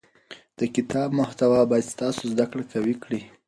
د کتاب محتوا باید ستاسو زده کړه قوي کړي.